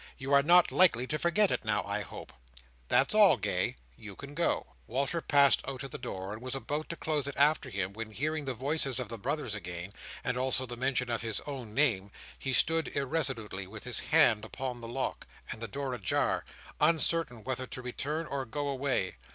"You are not likely to forget it now, I hope. That's all, Gay. You can go." Walter passed out at the door, and was about to close it after him, when, hearing the voices of the brothers again, and also the mention of his own name, he stood irresolutely, with his hand upon the lock, and the door ajar, uncertain whether to return or go away.